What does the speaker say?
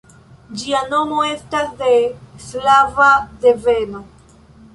Ĝia nomo estas de slava deveno.